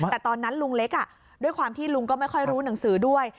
แต่ตอนนั้นลุงเล็กด้วยความที่ลุงก็ไม่ค่อยรู้หนังสือด้วย